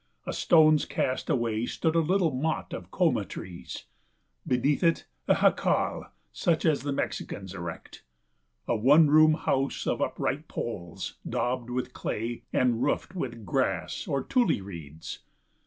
A stone's cast away stood a little mott of coma trees; beneath it a jacal such as the Mexicans erect a one room house of upright poles daubed with clay and roofed with grass or tule reeds.